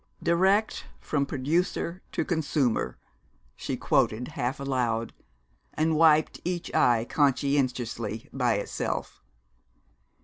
"Direct from producer to consumer!" she quoted half aloud, and wiped each eye conscientiously by itself.